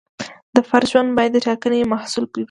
د فرد ژوند باید د ټاکنې محصول وي.